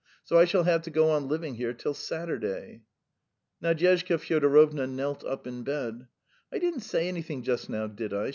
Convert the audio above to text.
So I shall have to go on living here till Saturday." Nadyezhda Fyodorovna knelt up in bed. "I didn't say anything just now, did I?"